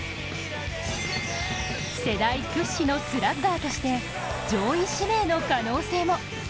世代屈指のスラッガーとして上位指名の可能性も。